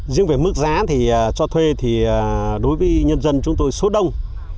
riêng về mức giá thì cho thuê thì đối với nhân dân chúng tôi số đông